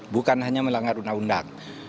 bukan hanya melanggar undang undang